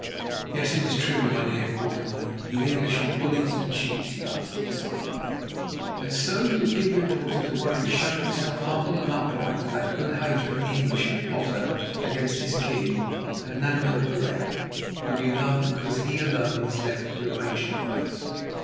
"Yes, it is true, Mynheer Quatermain. You English are bullies and cheats," he answered excitedly. "And so you would give your daughter to one who has shown himself humble and upright, to that good hater of the English and plotter against his King, Hernando Pereira, whom you love because he alone is left of your ancient race."